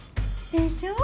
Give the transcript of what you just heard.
でしょ？